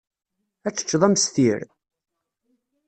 Ad teččed amestir?